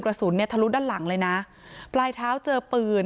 กระสุนเนี่ยทะลุด้านหลังเลยนะปลายเท้าเจอปืน